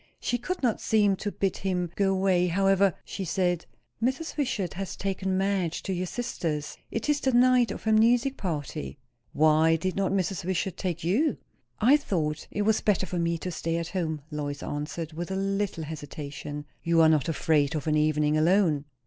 She could not seem to bid him go away. However, she said "Mrs. Wishart has taken Madge to your sister's. It is the night of her music party." "Why did not Mrs. Wishart take you?" "I thought it was better for me to stay at home," Lois answered, with a little hesitation. "You are not afraid of an evening alone!"